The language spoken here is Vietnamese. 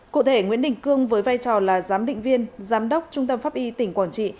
cụ thể nguyễn đình cương với vai trò là giám định viên giám đốc trung tâm pháp y tỉnh quảng trị